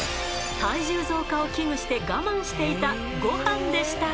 体重増加を危惧して我慢していたゴハンでした。